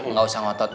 nggak usah ngotot